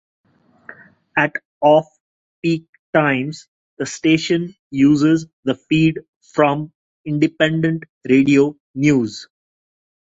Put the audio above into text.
At off peak times the station uses the feed from Independent Radio News.